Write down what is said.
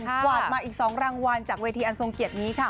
กวาดมาอีก๒รางวัลจากเวทีอันทรงเกียรตินี้ค่ะ